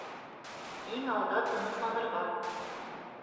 Иң алда тынысланырға.